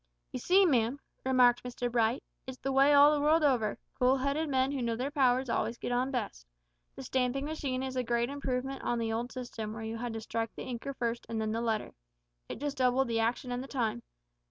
"You see, ma'am," remarked Mr Bright, "it's the way all the world over: cool headed men who know their powers always get on best. The stamping machine is a great improvement on the old system, where you had to strike the inker first, and then the letter. It just doubled the action and the time.